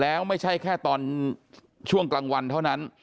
แล้วไม่ใช่แค่ตอนช่วงกลางวันเท่านั้น